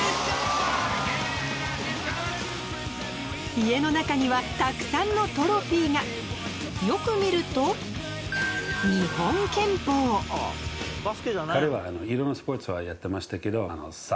家の中にはたくさんのトロフィーがよく見ると彼は。